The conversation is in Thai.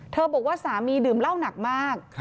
บอกว่าสามีดื่มเหล้าหนักมาก